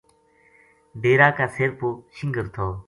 ڈیرا کا سِر پو شِنگر تھو